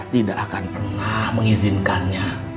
tidak akan pernah mengizinkannya